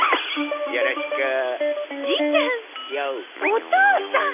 お義父さん！